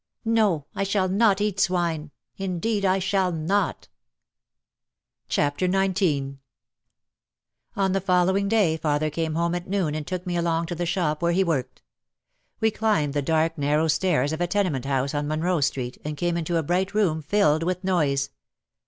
"No, I shall not eat swine, indeed I shall not !" OUT OF THE SHADOW 81 XIX On the following day father came home at noon and took me along to the shop where he worked. We climbed the dark, narrow stairs of a tenement house on Monroe Street and came into a bright room filled with noise.